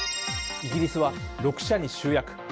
イギリスは６社に集約。